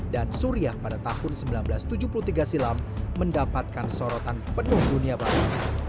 dan suriah pada tahun seribu sembilan ratus tujuh puluh tiga silam mendapatkan sorotan penuh dunia baru